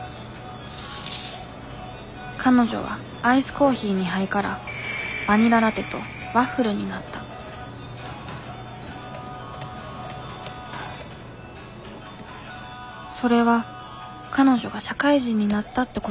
彼女はアイスコーヒー２杯からバニララテとワッフルになったそれは彼女が社会人になったってことなんだ。